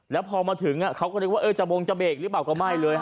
แล้วพอมาถึงเขาก็นึกว่าจะบงจะเบรกหรือเปล่าก็ไม่เลย